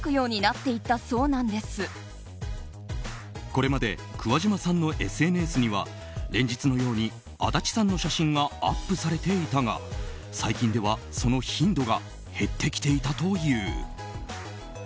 これまで桑島さんのＳＮＳには連日のように安達さんの写真がアップされていたが最近では、その頻度が減ってきていたという。